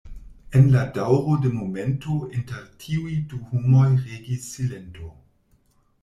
En la daŭro de momento inter tiuj du homoj regis silento.